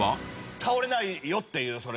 倒れないよっていうこの。